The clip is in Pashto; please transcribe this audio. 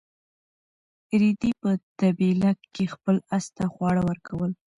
رېدي په طبیله کې خپل اس ته خواړه ورکول.